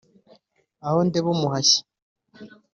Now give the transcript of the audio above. aho ndeba umuhashyi